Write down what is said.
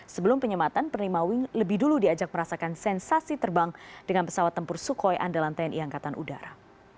sebelum penyematan penerima wing lebih dulu diajak merasakan sensasi terbang dengan pesawat tempur sukhoi andalan tni angkatan udara